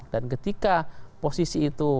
dan ketika posisi itu